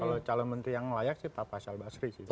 kalau calon menteri yang layak sih pak faisal basri sih